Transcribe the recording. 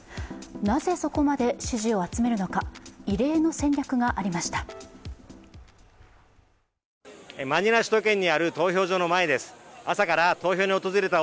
なぜそこまで支持を集めるのか、異例の戦略がありました。